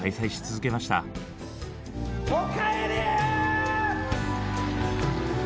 おかえり！